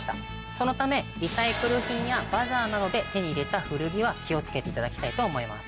そのためリサイクル品やバザーなどで手に入れた古着は気を付けていただきたいと思います。